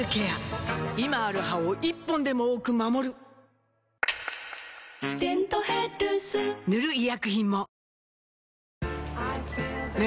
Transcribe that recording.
今ある歯を１本でも多く守る「デントヘルス」塗る医薬品も